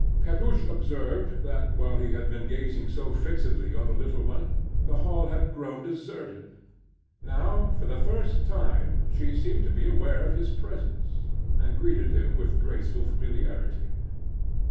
Pepusch observed, that while he had been gazing so fixedly on the little one, the hall had grown deserted. Now for the first time she seemed to be aware of his presence, and greeted him with graceful familiarity.